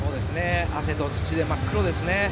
汗と土で真っ黒ですね。